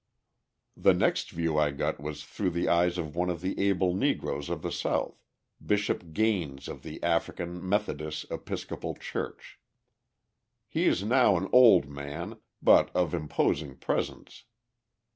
The next view I got was through the eyes of one of the able Negroes of the South, Bishop Gaines of the African Methodist Episcopal Church. He is now an old man, but of imposing presence.